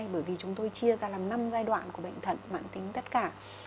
bởi vì chúng tôi chia ra làm năm giai đoạn của bệnh thận mạng tính tất cả